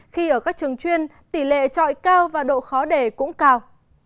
khi ở các trường chuyên tỷ lệ trọi cao và độ khó đề cũng cao